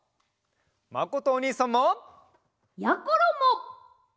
まことおにいさんも！やころも！